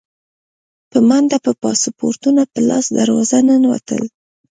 په منډه به پاسپورټونه په لاس دروازه ننوتل.